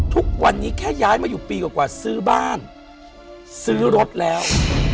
ทุกวันนี้แค่ย้ายมาอยู่ปีกว่าซื้อบ้านซื้อรถแล้ว